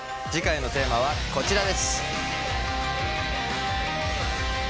次回のテーマはこちらです！